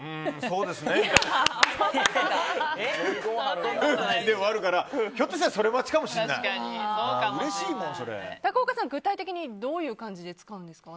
それで終わるからひょっとしたらそれ待ちかもしれない高岡さん、具体的にどういう感じで使うんですか？